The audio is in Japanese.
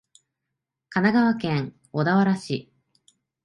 神奈川県小田原市